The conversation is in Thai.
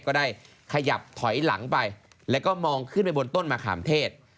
ก็ได้ขยับถอยหลังไปแล้วก็มองขึ้นไปบนต้นมะขามเทศ